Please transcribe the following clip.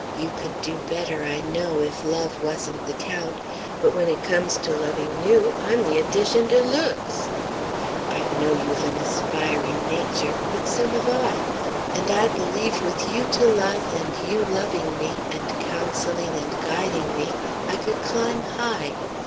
You could do better, I know, if love wasn't the count; but when it comes to loving you, I'm the edition deloox! I know you've an aspiring nature, but so have I; and I believe with you to love and you loving me, and counselling and guiding me, I could climb high.